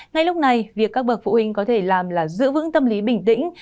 ngay lúc này việc các bậc phụ huynh có thể làm là giữ vững tâm lý bình tĩnh